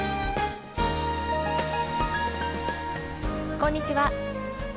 こんにちは。